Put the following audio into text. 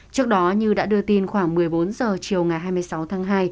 trước đó như đã đưa tin khoảng một mươi bốn h chiều ngày hai mươi sáu tháng hai